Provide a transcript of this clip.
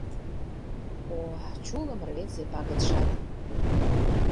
О, чулым рвезе пагытшат!